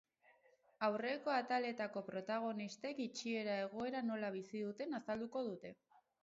Aurreko ataletako protagonistek itxiera egoera nola bizi duten azalduko dute.